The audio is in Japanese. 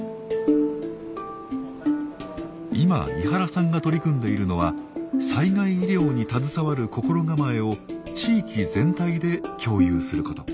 今井原さんが取り組んでいるのは災害医療に携わる心構えを地域全体で共有すること。